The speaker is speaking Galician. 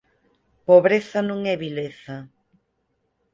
Pobreza non é vileza.